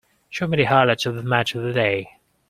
Show me the highlights of the match of the day.